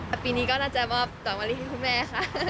แต่ปีนี้ก็น่าจะมอบดอกมะลิให้คุณแม่ค่ะ